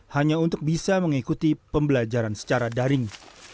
hanya untuk bisa mengikuti pembelajaran secara daring